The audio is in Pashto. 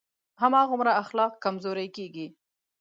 هماغومره اخلاق کمزوری کېږي.